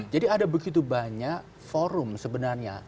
jadi ada begitu banyak forum sebenarnya